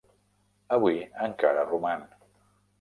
Avui encara roman.